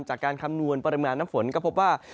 คำนวณปริมาณน้ำฝนก็พบว่า